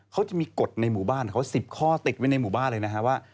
เขาจะมีกฎในหมู่บ้านเขาสิบข้อติดไว้ในหมู่บ้านเลยนะ